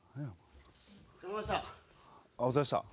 お疲れさまでした。